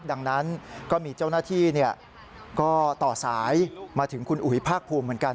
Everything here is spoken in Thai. ดังนั้นก็มีเจ้าหน้าที่ก็ต่อสายมาถึงคุณอุ๋ยภาคภูมิเหมือนกัน